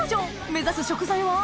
目指す食材は？